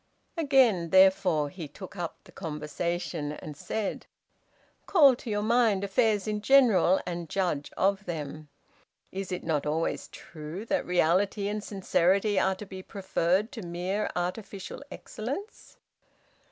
Again, therefore, he took up the conversation, and said, "Call to your mind affairs in general, and judge of them. Is it not always true that reality and sincerity are to be preferred to merely artificial excellence?